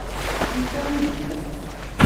Anta ihi?